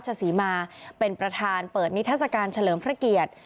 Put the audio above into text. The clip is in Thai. จังหวัดนครราชศรีมาร์เป็นประธานเปิดนิทราชการเฉลิมพระเกียรติ